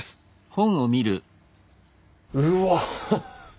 うわ！